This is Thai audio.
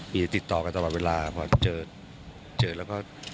มีติดต่อกันตลอดเวลาพอเจอเจอแล้วก็